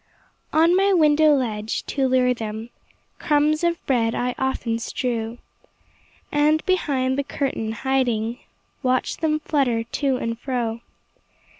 On my window ledge, to lure them, Crumbs of bread I often strew, And, behind the curtain hiding, Watch them flutter to and fro.